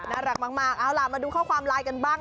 น่ารักมากเอาล่ะมาดูข้อความไลน์กันบ้าง